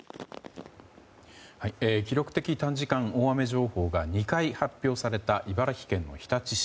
記録的短時間大雨情報が２回発表された茨城県の日立市。